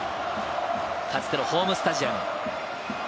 かつてのホームスタジアム。